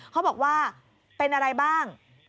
เขาบอกว่าเป็นอะไรบ้าง